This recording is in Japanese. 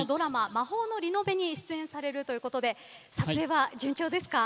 「魔法のリノベ」に出演されるということで撮影は順調ですか？